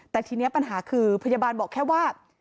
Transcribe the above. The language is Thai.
แต่ทีนี้ปัญหาคือพยาบาลบอกแค่ว่า